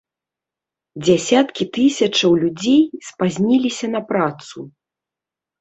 Дзясяткі тысячаў людзей спазніліся на працу.